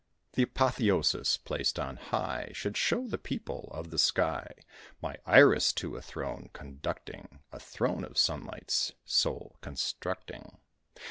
Th' Apotheosis placed on high Should show the people of the sky My Iris to a throne conducting, A throne of sunlight's sole constructing.